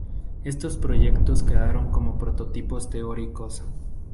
Estos proyectos quedaron como prototipos teóricos.